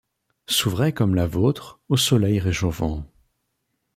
S'ouvrait, comme la vôtre, au soleil réchauffant ;